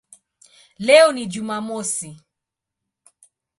Leo ni Jumamosi".